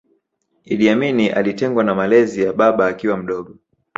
Iddi Amini alitengwa na malezi ya baba akiwa mdogo